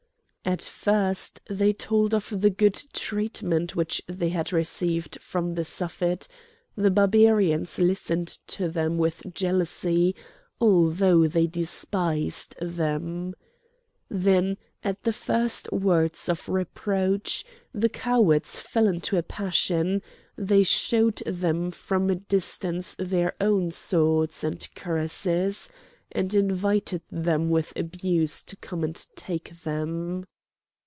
At first they told of the good treatment which they had received from the Suffet; the Barbarians listened to them with jealousy although they despised them. Then at the first words of reproach the cowards fell into a passion; they showed them from a distance their own swords and cuirasses and invited them with abuse to come and take them.